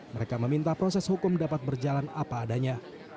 mereka meminta proses hukum dapat berjalan apa adanya